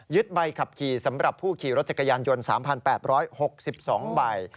ใบขับขี่สำหรับผู้ขี่รถจักรยานยนต์๓๘๖๒ใบ